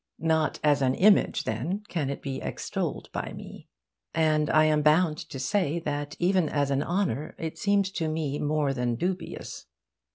Not as an image, then, can it be extolled by me. And I am bound to say that even as an honour it seems to me more than dubious.